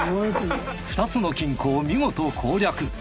２つの金庫を見事攻略。